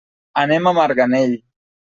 Anem a Marganell.